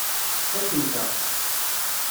Fakkent-aɣ-tt.